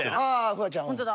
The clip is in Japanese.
ああフワちゃん。